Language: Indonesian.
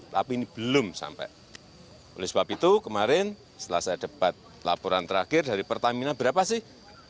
tapi ini belum sampai oleh sebab itu kemarin setelah saya debat laporan terakhir dari pertamina berapa sih